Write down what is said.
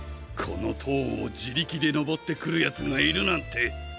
このとうをじりきでのぼってくるやつがいるなんて。